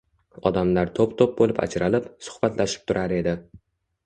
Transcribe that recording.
Odamlar toʻp-toʻp boʻlib ajralib, suhbatlashib turar edi.